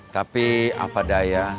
tapi apa daya